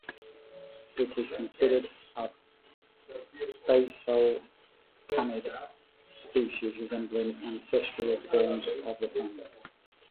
It is considered a basal canid species, resembling ancestral forms of the family.